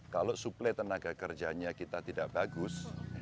kalau suplai tenaga kerjanya kita tidak bagus